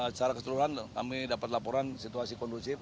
secara keseluruhan kami dapat laporan situasi kondusif